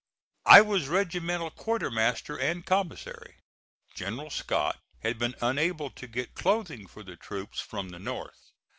I was regimental quartermaster and commissary. General Scott had been unable to get clothing for the troops from the North.